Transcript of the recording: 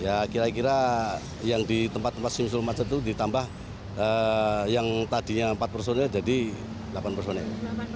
ya kira kira yang di tempat tempat simsul macet itu ditambah yang tadinya empat personil jadi delapan personil